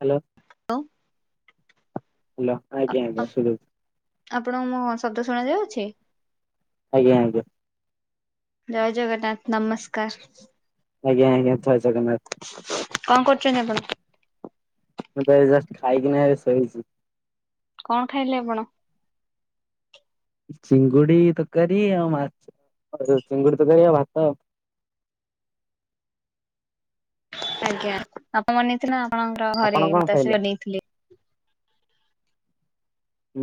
Hello! ଅଉ। Hello ଆଜ୍ଞା ଆଜ୍ଞା ଶୁଭୁଛି ଆ-ଆ-ଆପଣଙ୍କୁ ମୋ ଶବ୍ଦ ଶୁଣାଯାଉଛି? ଆଜ୍ଞା ଆଜ୍ଞା। ଜୟ ଜଗନ୍ନାଥ ନମସ୍କାର। ଆଜ୍ଞା ଆଜ୍ଞା, ଜୟ ଜଗନ୍ନାଥ। କଣ କରୁଛନ୍ତି ଆପଣ? ମୁଁ ତ ଏବେ ଜଷ୍ଟ ଖାଇକିନା ଏ ଶୋଇଛି। କଣ ଖାଇଲେ ଆପଣ? ଚିଙ୍ଗୁଡି ତକାରି ଆଉ ମାଛ, ଚିଙ୍ଗୁଡି ତକାରି ଆଉ ଭାତ। [unintelligible] ଆଜ୍ଞା, ବାପା ମନେଇଥିଲେ ଆପଣଙ୍କର ଆପଣ ଘରେ କଣ ଖାଇଲେ? ମାତାଶ୍ରୀ ମନେଇଥିଲେ?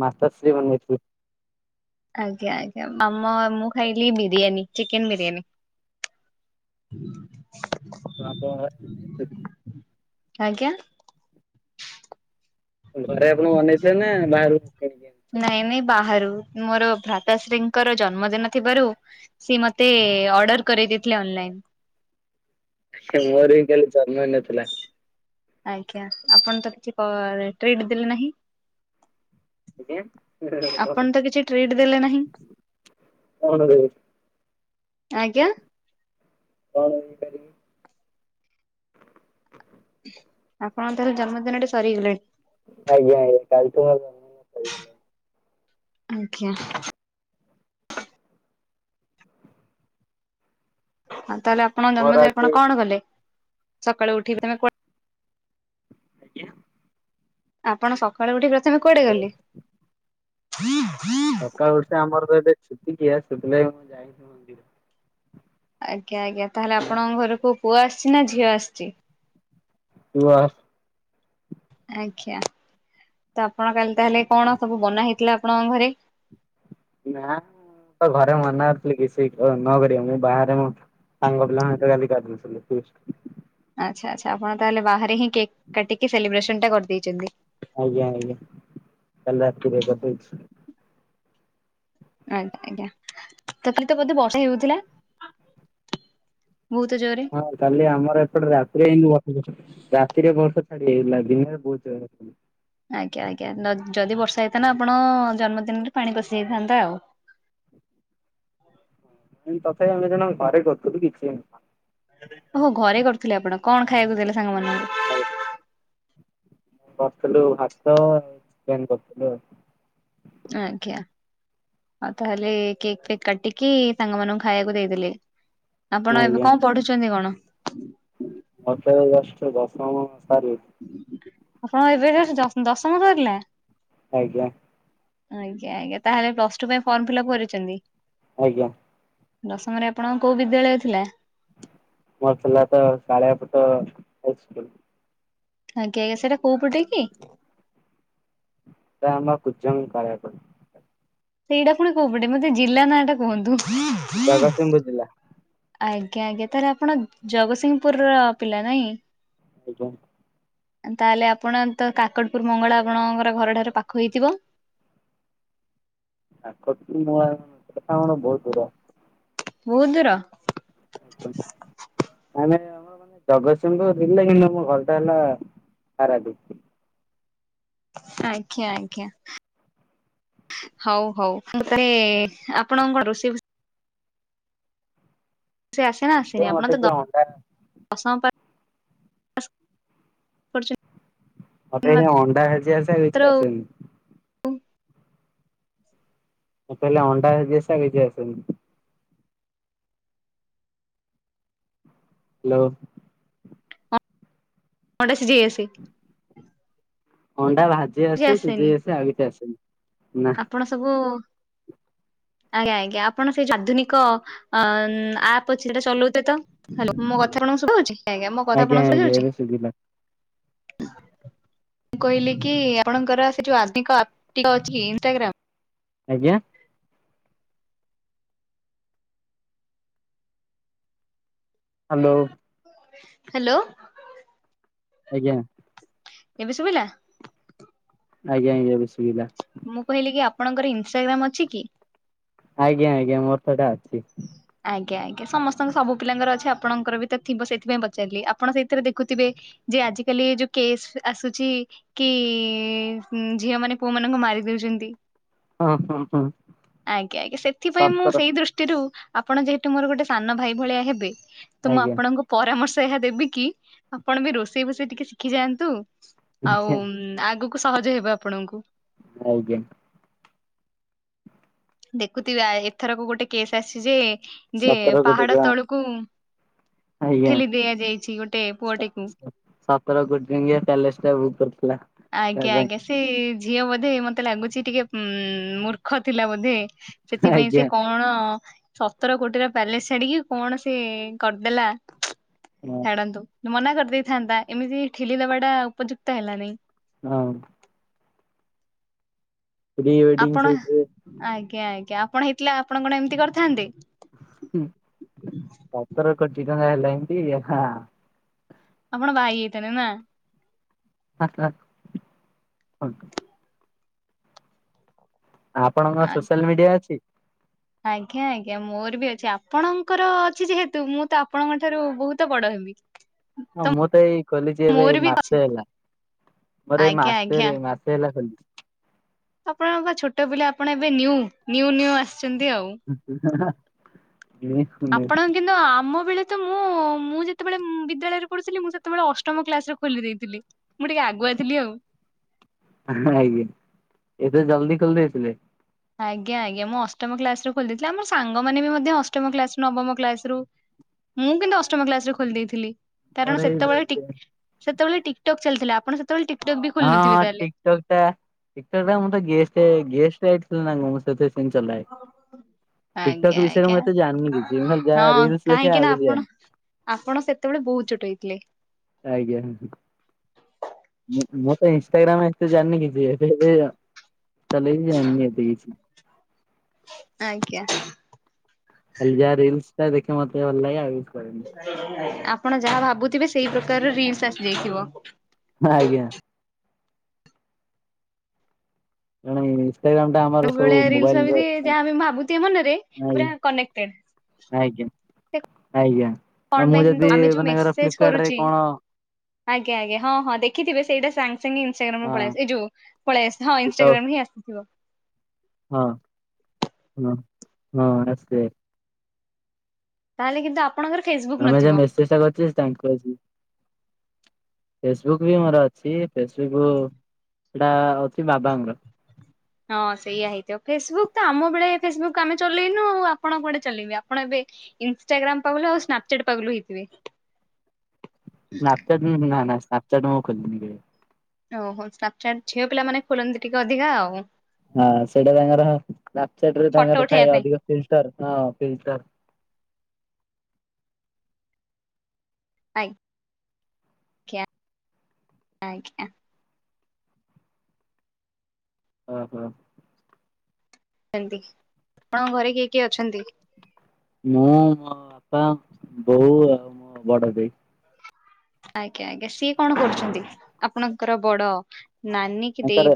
ମାତାଶ୍ରୀ ବନେଇଥିଲେ। ଆଜ୍ଞା ଆଜ୍ଞା, ମାମ ମୁଁ ଖାଇଲି ବିରିୟାନୀ! ଚିକେନ୍ ବିରିୟାନୀ। ହୁଁ [inaudible] ତ ଆପଣଙ୍କ ଆ [inaudible] ଆଜ୍ଞା? ଘରେ ଆପଣ ବନେଇଥିଲେ ନା ବାହାରକୁ କିଣିକି ଆଣଥି ନାଇଁ ନାଇଁ ବାହାରୁ ମୋର ଭ୍ରାତାଶ୍ରୀଙ୍କର ଜନ୍ମଦିନ ଥିବାରୁ, ସିଏ ମତେ ଅର୍ଡର କରେଇ ଦେଇଥିଲେ ଅନଲ୍ ଟାଇମ୍। ସେ ମୋର ବିି କାଲି ଜନ୍ମଇନ ଥିଲା। ଆଜ୍ଞା, ଆପଣ ତ କିଛି କର ଟ୍ରିଟ ଦେଲେ ନାହିଁ? ଆଜ୍ଞା କଣ ଆପଣ ତ କିଛି ଟ୍ରିଟ୍ ଦେଲେ ନାହିଁ? କଣ ଦେବି? ଆଜ୍ଞା। କଣ ମୁଁ କରିମି? ଆପଣଙ୍କ ତାଲେ ଜନ୍ମଦିନଟା ସରିଗଲାଣି। ଆଜ୍ଞା ଜ୍ଞା, କାଲଠୁଁ ମୋର ଜନ୍ମଦିନ ସରି ଗଲାଣି। ଆଜ୍ଞା! ହଁ, ତାହେଲେ ଆପଣଙ୍କ ମୋର ଜନ୍ମଦିନ ଆଜି ଆପଣ କଣ କଲେ? ସକାଳୁ ଉଠିବି ତମେ କୁ ଆଜ୍ଞା ଆପଣ ସକାଳୁ ଉଠିକି ପ୍ରଥମେ କୁଆଡେ ଗଲେ? ସକାଳୁ ଉଠସା ଆମର ତ ଏବେ ଛୁତିକିିଆ, ସେଥି ଲାଗି ମୁଁ ଯାଇନି ମନ୍ଦିର। ଆଜ୍ଞା ଆଜ୍ଞା, ତାହେଲେ ଆପଣଙ୍କ ଘରେ କୋଉ ପୁଅ ଆସିଛି ନା ଝିଅ ଆସିଛି? ପୁଅ। ଆଜ୍ଞା। ତ ଆପଣ କାଲି ତାହେଲେ, କଣ ସବୁ ବନା ହେଇଥିଲା ଆପଣଙ୍କ ଘରେ? ନା-ଆଁ ତ ଘରେ ମନାକରଥିଲି, କିଛି ନ କରିମାକୁ। ମୁଁ ଏଇ ବାହାରେ ମୁଁ ସାଙ୍ଗ ପିଲାଙ୍କ ସହିତ କାଲି କରଦେଇଥିଲି ଫିଷ୍ଟ। ଆଚ୍ଛା ଆଚ୍ଛା, ଆପଣ ତାହେଲେ ବାହାରେ ହିଁ କେକ୍ କାଟିକି, ସେଲିବ୍ରେସନ ଟା କରିଦେଇଛନ୍ତି। ଆଜ୍ଞା ଆଜ୍ଞା କାଲି ରାତିରେ କରଦେଇଛି। ଆଜ୍ଞା ଆଜ୍ଞା ତକାଲି ବୋଧେ ବର୍ଷା ହେଉଥିଲା? ବହୁତ ଜୋରରେ? ହଁ କାଲି ଆମର ଏପଟେ ରାତିି ହିଁ ବର୍ଷା ଧୀରେ ଚଲା ରାତିରେ ବର୍ଷ ଛାଡି ଯାଇଥିଲା ଦିନରେ ବହୁତ ଜରଥିଲା। ଆଜ୍ଞା ଆଜ୍ଞା ନ ଯଦି ବର୍ଷା ହେଇଥାନ୍ତା ଆପଣ ଜନ୍ମଦିନରେ ପାଣି ପଶିଯାଇଥାନ୍ତା ଆଉ। ହୁଁ ତଥାପି ଆମେ ଘରେକରୁ ଥିଲୁ କିଛି ହେଇନଥାନ୍ତା। ଓହ ଘରେ କରୁଥିଲେ ଆପଣ କଣ ଖାଇବାକୁ ଦେଲେ ସାଙ୍ଗମାନଙ୍କୁ? ହାଏ। କରିଥିଲୁ ଭାତ ଆଉ ଚିକେନ କରିଥିଲୁ ଆଉ। ଆଜ୍ଞା। ଆଉ ତାହେଲେ କେକ୍ ଫେକ୍ କାଟିକି ସାଙ୍ଗ ମାନଙ୍କୁ ଖାଇବାକୁ ଦେଇଦେଲେ? ଆଉ ଆପଣ ଏବେ ଆଜ୍ଞା। କଣ ପଢୁଛନ୍ତି କଣ? ମତେ ଏ ବର୍ଷ ଦଶମ ସରି ଆପଣ ଏବେ ଜସ ଦସ ଦଶମ ସରିଲା? ଆଜ୍ଞା। ଆଜ୍ଞା ଆଜ୍ଞା ତାହେଲେ ପ୍ଲସ୍ ଟୁ ପାଇଁ ଫର୍ମ ଫିଲିପ୍ପ୍ କରିଛନ୍ତି? ଆଜ୍ଞା। ଦଶମରେ ଆପଣଙ୍କର କୋଉ ବିଦ୍ୟାଳୟ ଥିଲା? ମୋର ଥିଲା ତ ଶାଳିଆ ପଟା ହାଇସ୍କୁଲୁ। ଆଜ୍ଞା ଆୟା ସେଟା କୋଉ ପଟେ କି? ସେଟା ଆମ କୁଜଙ୍ଗ କାଳୀଆ ପଡା। ସେଇଟା ପୁଣି କୋଉ ପଟେ ମତେ ଜିଲ୍ଲା ନାଁ ଟା କୁହନ୍ତୁ? ଜଗସିଂପୁ ଜିଲ୍ଲା। ଆଜ୍ଞା ଆଜ୍ଞା ତାଲେ ଆପଣ ଜଗତସିଂହପୁର ର ପିଲା ନାଇଁ। ଆଜ୍ଞା। ତାହେଲେ ଆପଣ ତ କାକଟପୁରୁ ମଙ୍ଗଳା ଆପଣଙ୍କର ଘର ଠାରୁ ପାଖ ହୋଇଥିବ? କାଟପୁରୁ ମଙ୍ଗଳା ବହୁତ ଦୂର। ବୁତୁ ଦୂର। [inaudible] ଆମେ ଆଉ। ହ ମାନେ ଜଗତସିଂହ ପୁରୁଜିଲା କିନ୍ତୁ ଆମ ଘରଟା ହେଲା ପାରାଦୀପ। ଆଜ୍ଞା ଆଜ୍ଞା। ହଉ ହଉ ମୁତାରେ ଆପଣ କଣ ରୋଷେଇ ଫୋସେ ସେ ଆସେନା ସେ ଆସେନି ଆପଣ ମତେ ତ ଟିକେ ଅଣ୍ଡା ଦଶମ୍ ପାଶେ କରିଛ ମତେ ଏଇ ଅଣ୍ଡା ଭାଜି ଆସେ ଆଉ କିଛି ଆସେନି। ଉଁ। ମୁଁ କହିଲି ଅଣ୍ଡା ଭାଜି ଆସେ ଆଉ କିଛି ଆସେନି। ହାଲୋ। ଅଣ୍ଡା ସିଝେଇ ଆସେ? ଅଣ୍ଡା ଭାଜି କିଛି ଆସେ ସିଝେଇ ଆସେନି। ଆସେ ଆଉ କିଛି ଆସେନି। ନା ଆପଣ ସବୁ ଆଜ୍ଞା ଆଜ୍ଞା ଆପଣ ସେଇ ଆଧୁନିକ ଅ ଆପ୍ ଅଛି ସେଟା ଚଲଉଥିବେ ତ ମୋ ମୋ କଥା ଆପଣକୁ ଶୁଭାହଉଛି ଆଜ୍ଞା ମୋ କଥା ଆପଣଙ୍କୁ ଆଜ୍ଞା ସୁଭାଯାଉଛି? ଏବେ ଶୁଭିଲା ମୁଁ କହିଲି କି ଆପଣଙ୍କର ସେ ଯୋଉ ଆଧୁନିକ ଆପ ଟି ଅଛି ଇଷ୍ଟାଗ୍ରାମ। ଆଜ୍ଞା। ହାଲୋ। ହାଲୋ। ଆଜ୍ଞା। ଏବେ ଶୁଭିଲା? ଆଜ୍ଞା ଆଜ୍ଞା ଏବେ ଶୁଭିଲା। ମୁଁ କହିଲି କି ଆପଣଙ୍କର ଇନଷ୍ଟାଗ୍ରାମ ଅଛି କି? ଆଜ୍ଞା ଆଜ୍ଞା ମୋର ତ ସେଟା ଅଛି। ଆଜ୍ଞା ଆଜ୍ଞା ସମସ୍ତଙ୍କ ସବୁ ପିଲାଙ୍କର ଅଛି ଆପଣଙ୍କର ବି ତ ଥିବ ସେଇଥିପାଇଁ ପଚାରିଲି ଆପଣ ସେଥିରେ ଦେଖୁଥିବେ ଯେ ଆଜିକାଲି ଯୋଉ କେସ୍ ଆସୁଛି କି ଝିଅ ମାନେ ପୁଅ ମାନଙ୍କୁ ମାରିଦଉଛନ୍ତି। ହଁ ହଁ ହଁ। ଆଜ୍ଞା ଆଜ୍ଞା ସେଥିପାଇଁ ମୁଁ ସତର ସେଇ ଦୃଷ୍ଟିରୁ ଆପଣ ଯେହେତୁ ମୋର ଗୋଟେ ସାନ ଭାଇ ଭଳିଆ ହେବେ। ତ ମୁଁ ଆଜ୍ଞା ଆପଣଙ୍କ ପରାମର୍ଶ ଏହା ଦେବି କି ଆପଣ ବି ରୋଷେଇ ଫୋଷେଇ ଟିକେ ଶିଖିଯାଆନ୍ତୁ। ଆଉ ଆଜ୍ଞା ଆଗକୁ ସହଜ ହେବ ଆପଣଙ୍କୁ। ଆଜ୍ଞା। ଦେଖୁଥିବେ ଏଥରକ ଗୋଟେ କେସ୍ ଆସିଛି ଯେ ଯେ ସତର କୋଟି ପାହାଡ ଟଙ୍କା ତଳକୁ ଠେଲି ଦିଆଯାଇଛି। ଗୋଟେ ପୁଅଟିକୁ ସ-ସ-ସତର କୋଟି ଟଙ୍କିଆ ପ୍ୟାଲେସ ଟା ବୁକ୍ କରିଥିଲା। ତା ଆଜ୍ଞା ପାଇଁ ଆଜ୍ଞା ସେ ଝିଅ ବୋଧେ ମତେ ଲାଗୁଛି ଟିକେ ଉମ ମୂର୍ଖ ଥିଲା ବୋଧେ? ସେଥିପାଇଁ ସେ ଆଜ୍ଞା। କଣ ସତର କୋଟିର ପ୍ୟାଲେସ ଛାଡିକି କଣ ସେ କରିଦେଲା। ଛାଡନ୍ତୁ ମନା କରିଦେଇଥାନ୍ତା ଏମିତି ଠେଲିଦେବା ଟା ଉପଯୁକ୍ତ ହେଲା ନାଇଁ। ହଁ। ପ୍ରିୱେଡ଼ିଂ ଆପଣ ସୁଟ ରେ। ଆଜ୍ଞା ଆଜ୍ଞା ଆପଣ ହେଇଥିଲେ ଆପଣ କଣ ଏମିତି କରିଥାନ୍ତେ? ସତର କୋଟି ଟଙ୍କା ହେଲାଣି ଟି ହାଁ। ଆପଣ ବାହା ହେଇଯାଇଥାନ୍ତେ ନା? ଆ ଆ କୁହନ୍ତୁ। ଆପଣଙ୍କର ସୋସିଆଲ ମିଡିଆ ଅଛି? ଆଜ୍ଞା ଆଜ୍ଞା ମୋର ବି ଅଛି ଆପଣଙ୍କର ଅଛି ଯେହେତୁ ମୁଁ ତ ଆପଣଙ୍କ ଠାରୁ ବହୁତ ବଡ ହେବି। ହଁ ମୁଁ ତ ଏଇ ଖୋଲିଛି ଏବେ ମୋର ବି ଅଛି ମାସେ ହେଲା। ମୋର ଏଇ ଆଜ୍ଞା ମାସେ ରେ ମାସେ ହେଲା ଖୋଲିଛି। ଆପଣଙ୍କ ବା ଛୋଟ ପିଲା ଆପଣ ଏବେ ନିଉ ନିଉ ଆସି ହା ହା। ଆପଣଙ୍କୁ କିନ୍ତୁ ଆମ ବେଳେ ତ ମୁଁ [inaudible] ମୁଁ ଯେତେବେଳେ ମୁଁ ବିଦ୍ୟାଳୟରେ ପଢୁଥିଲି ମୁଁ ସେତେବେଳେ ଅଷ୍ଟମ କ୍ଲାସରେ ଖୋଲି ଦେଇଥିଲି ମୁଁ ଟିକେ ଆଗୁଆ ଥିଲି ଆଉ। ଆଜ୍ଞା ଏବେ ଜଲଦି ଖୋଲିଦେଇଥିଲେ। ଆଜ୍ଞା ଆଜ୍ଞା ମୁଁ ଅଷ୍ଟମ କ୍ଲାସରୁ ଖୋଲି ଦେଇଥିଲ ଆମ ସାଙ୍ଗମାନେ ବି ମଧ୍ୟ ଅଷ୍ଟମ କ୍ଲାସରୁ ନବମ କ୍ଲାସରୁ ମୁଁ କିନ୍ତୁ ଅଷ୍ଟମ କ୍ଲାସରେ ଖୋଲି ଦେଇଥିଲି ମୋର କାରଣ ଏଇ ହଁ ସେତେବେଳେ ଟିକ୍ ସେତେବେଳେ ଟିକଟକ୍ ଚାଲିଥିଲା। ଆପଣ ସେତେବେଳେ ଟିକଟକ୍ ବି ଖୋଲି ହଁ ନଥିବେ ହଁ ତାହେଲେ ଟିକଟକଟା ଟିକଟକଟା ମୁଁ ତ ଗେଷ୍ଟ ଗେଷ୍ଟ ଥିଲି ନା ମୁଁ ଚଲାଏ। ଆଜ୍ଞା ଟିକଟକ୍ ବିଷୟରେ ଆଜ୍ଞା ମୁଁ ଏତେ ଜାଣିନି କିଛି ଖାଲି ଯାହା ହଁ ରିଲସ ଦେଖେ କାହିଁକି ନା ଆଉ କିଛି ଆପଣ ଜାଣିନି। ଆପଣ ସେତେବେଳେ ବହୁତ ଛୋଟ ହେଇଥିଲେ। ଆଜ୍ଞା ମୁଁ ମତେ ଇନଷ୍ଟାଗ୍ରାମ ଏତେ ଜାଣିନି କିଛି ଏ ଚାଲେ ଜାଣିନି ଏତେ କିଛି [inaudible] ଆଜ୍ଞା। ଖାଲି ଯାହା ରୀଲସ ଟା ଦେଖେ ମତେ ଭଲଲାଗେ ଆଉ କରେନି ଆପଣ ଯାହା ଭାବୁଥିବେ ସେଇ ପ୍ରକାରର ରିଲ୍ସ ଆସିଯାଇଥିବ। ହଁ ଆଜ୍ଞା। କଣ ଇ ନଷ୍ଟାଗ୍ରାମ କାମଟା ଆମ ସବୁ ଭଳିଆ ରିଲସ ମୋବାଇଲରେ। ଭାବି ଯାହା ଆମେ ଭାବୁଥିବେ ମନରେ ଆଜ୍ଞା। ପୁରା କନେକ୍ଟେଡ ଆଜ୍ଞା ଆଜ୍ଞା କଣ ନା ପାଇଁ ମୁଁ ଯଦି ସେମିତି ଆମେ ଯୋଉ ମନେ କର ମେସେଜ ଫ୍ଲିପକର୍ଡ ରେ କରୁଚି କଣ ଆଜ୍ଞା ଆଜ୍ଞା ହଁ ହଁ ଦେଖିଥିବେ ସେଇଟା ସାନ ସେମି ଇନ୍ ଷ୍ଟାଗ୍ରାମ୍ ପଳେଇ ହଁ ଆସି ଏଇ ଯୋଉ ପଳେଇ ଆସି ହଁ ଇନ୍ କିଛି ଷ୍ଟାଗ୍ରାମ୍ ହିଁ ଆସିବ। ହଁ ହଁ ହଁ ରାସ୍କେ। ତାହେଲେ କିନ୍ତୁ ଆପ୍ ଆମେ ଯ ମେସେଜ୍ ଟା କରିଛେ ତାଙ୍କ ଯି। ଫେସ୍ ବୁକ୍ ବି ମୋର ଅଛି ଫେସ୍ ବୁକୁ ସେଟା ଅଛି ବାବାଙ୍କର। ହଁ ସେଇଆ ହେଇଥିବ ଫେସ୍ ବୁକ୍ ତ ଆମ ବେଳେ ଫେସ୍ ବୁକ୍ ଆମେ ଚଲେଇନୁ ଆଉ ଆପଣ କୁଆଡେ ଚଲେଇବେ ଆପଣ ଏବେ ଇନ୍ ଷ୍ଟାଗ୍ରାମ୍ ପାଗ୍ ଲୁ ଆଉ ସ୍ନାପ୍ ଚାଟ୍ ପାଗ୍ ଲୁ ହେଇଥିବେ। ହ [inaudible] ସ୍ନାପ୍ ଚାଟ୍ ଉଁ ହୁଁ ନା ନା ସ୍ନାପ୍ ଚାଟ୍ ମୁଁ ଖୋଲିନି କେବେ। ଓହୋ ସ୍ନାପ୍ ଚାଟ୍ ଝିଅ ପିଲା ମାନେ ଖୋଲନ୍ତି ଟିକେ ଅଧିକା ଆଉ। ହଁ ସେଇଟା ତାଙ୍କର ସ୍ନାପ୍ ଚାଟ୍ ରେ ଫଟୋ ତାଙ୍କର ଉଠେଇବା ଥାଏ ଅଧିକ ଥି ଷ୍ଟାର୍ ଅଁ ପ୍ରିଣ୍ଟ୍ କାର୍। [inaudible] ଆ ଜ୍ଞା ଆଜ୍ଞା। ଅ ହ। ଏମ୍ ତି ଆପଣଙ୍କ ଘରେ କିଏ କିଏ ଅଛନ୍ତି? ମୁଁ ମୋ ବାପା ବୋଉ ଆଉ ମୋ ବଡ଼ ଦେଇ। ଆଜ୍ଞା ଆଜ୍ଞା ସିଏ କଣ କରୁଛନ୍ତି ଆପଣଙ୍କର ବଡ଼ ନାନୀ ତାଙ୍କର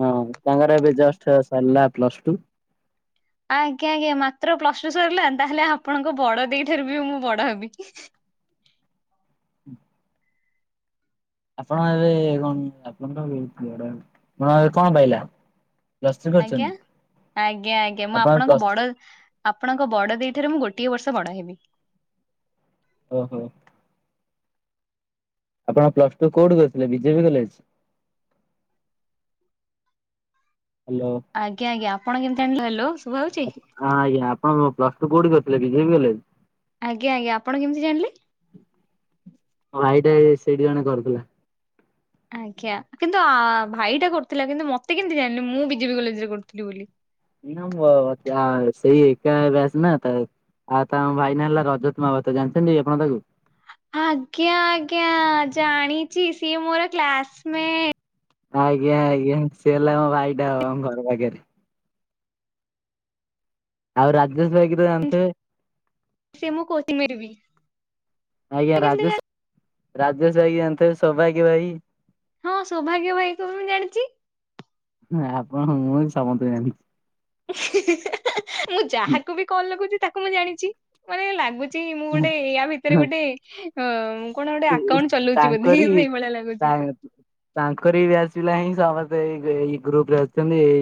ହଁ ତାଙ୍କର ଏବେ ଜଷ୍ଟ ସରିଲା ପ୍ଲସ୍ ଟୁ। ଆଜ୍ଞା ଆଜ୍ଞା ମାତ୍ର ପ୍ଲସ୍ ଟୁ ସରିଲା ତାହେଲେ ଆପଣଙ୍କ ବଡ଼ ଦେଇ ଠାରୁ ବି ମୁଁ ବଡ଼ ହେବି। ଆପଣ ଏବେ କଣ ଆପଣଙ୍କ [unintelligible] ଆପଣ କଣ ପାଇଲା? ପ୍ଲସ ଥ୍ରୀ ଆଜ୍ଞା, କରିଛନ୍ତି ଆଜ୍ଞା ଆଜ୍ଞା ମୁଁ ଆପଣ ଆପଣଙ୍କ ପ୍ଲସ୍ ବଡ଼ ଆପଣଙ୍କ ବଡ଼ ଦି ଠିରେ ମୁଁ ଗୋଟିଏ ବର୍ଷ ବଡ଼ ହେବି। ଓ ହୋ। ଆପଣ ପ୍ଲସ୍ ଟୁ କୋଉଠି କରିଥିଲେ B J P college? Hello. ଆଜ୍ଞା ଆଜ୍ଞା ଆପଣ କେମିତି ଆଣି ହ୍ୟାଲୋସ୍। ହଁ ଆଜ୍ଞା ଆପଣ ପ୍ଲସ୍ ଟୁ କୋଉଠି କରିଥିଲେ ବି ଜେ ବି କଲେଜ୍? ଆଜ୍ଞା ଆଜ୍ଞା ଆପଣ କେମିତି ଜାଣିଲେ? ମୋ ଭାଇଟେ ସେଇଠି ଜଣେ କରୁଥିଲା। ଆଜ୍ଞା କିନ୍ତୁ ଆ ଭାଇଟା କରୁଥିଲା କିନ୍ତୁ ମତେ କେମିତି ଜାଣିଲେ ମୁଁ ବି ଜେ ପି କଲେଜରେ କରୁଥିଲି ବୋଲି। ନିନମ୍ୱ ତା ସେଇ ଏକା ବ୍ୟଚ୍ ନା ତା ଆଉ ତାଙ୍କ ଭାଇ ନାଁ ହେଲା ରଜତ୍ ମାହାବାତ ଜାଣିଛନ୍ତି ଆପଣ ତାକୁ? ଆଜ୍ଞା ଆଜ୍ଞା ଜାଣିଛି ସିଏ ମୋର କ୍ଲାସ୍ ମେ ଆଜ୍ଞା ଆଜ୍ଞା ସିଏ ହେଲା ଭାଇଟା ହବ ଆମ ଘର ପାଖେରେ। ଆଉ ରାଜେଶ୍ ଭାଇକି ତ ଜାଣିଥିବେ। ସେ ମୋ କୋଚିଂ ମେଟ୍ ବି ଆଜ୍ଞା କେମିତି ରାଜେଶ୍ ଜାଣି ରାଜେଶ୍ ଭାଇକି ଜାଣିଥିବେ ସୌଭାଗ୍ୟ ଭାଇ ହଁ ସୌଭାଗ୍ୟ ଭାଇକୁ ବି ମୁଁ ଜାଣିଚି। ହଁ ଆପଣ ମୁଁ ସମତ ଜାଣି। ମୁଁ ଯାହାକୁ ବି କଲ୍ ଲାଗଉଛି ତାକୁ ମୁଁ ଜାଣିଛି ମାନେ ଲାଗୁ ମୁଁ ଗୋଟେ ୟା ଭିତରେ ଗୋଟେ ଅ କଣ ଗୋଟେ ଆକାଉଣ୍ଟ ଚଲଉଛି ବୋଧେ ତାଙ୍କରି ସେଇଭଳିଆ ଲାଗୁଛି। ତା ତାଙ୍କରି ବି ଆସିଲା ହିଁ ସମତେ ଏଇ ଏଇ ଗ୍ରୁପ ରେ ଅଛନ୍ତି ଏଇ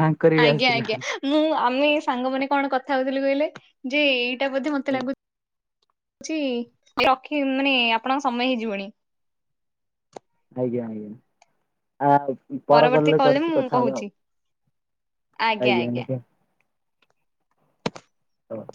ତାଙ୍କର ବି ଆଜ୍ଞା ଆସିଲା। ଆଜ୍ଞା ମୁଁ ଆମେ ସାଙ୍ଗ ମାନେ କଣ କଥା ହଉଥିଲୁ କହିଲେ ଯେ ଏଇଟା ବୋଧେ ମତେ ଲାଗୁ ହଉଛି ରଖି ମାନେ ଆପଣଙ୍କ ସମୟ ହେଇଯିବଣି। ଆଜ୍ଞା ଆଜ୍ଞା। ଆ ପର କଲ୍ ପରବର୍ତ୍ତୀ ରେ କରିଛି ମୁଁ କଥା ହବା କହୁଛି ଆଉ ଆଜ୍ଞା ଆଜ୍ଞା। ହ।